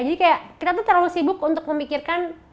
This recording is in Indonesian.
kayak kita tuh terlalu sibuk untuk memikirkan